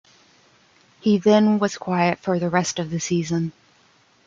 He then was quiet for the rest of the season.